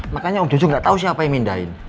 makanya om jejo gak tau siapa yang pindahin